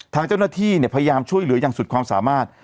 ทางเจ้าหน้าที่พยายามช่วยเหลืออย่างสุดความสามารถ